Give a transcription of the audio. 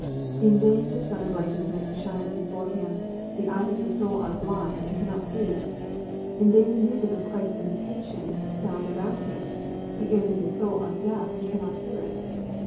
In vain the sun of righteousness shines before him : J)he eyes of his soul are blind, and cannot see. In vain the music of Christ s invitations sound around him : the ears of his soul are deaf, and cannot hear it.